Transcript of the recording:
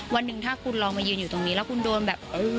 วันหนึ่งถ้าคุณลองมายืนอยู่ตรงนี้แล้วคุณโดนแบบ